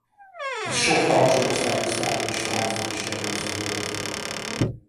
Ez sok alacsony osztályú sztálinista házban is jellemző volt.